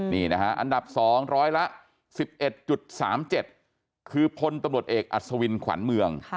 นี่นะฮะอันดับ๒ร้อยละ๑๑๓๗คือพลตำรวจเอกอัศวินขวัญเมือง